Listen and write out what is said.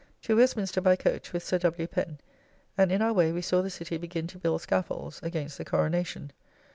To Westminster by coach with Sir W. Pen, and in our way saw the city begin to build scaffolds against the Coronacion.